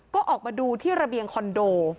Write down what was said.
ก็ออกมาดูที่ระเบียงคอนโด